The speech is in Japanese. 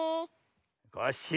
コッシー。